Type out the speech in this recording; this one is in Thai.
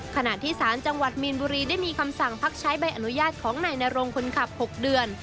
ขณะที่ศาลจังหวัดมีนบุรีได้มีคำสั่งพักใช้ใบอนุญาตของนายนรงคนขับ๖เดือน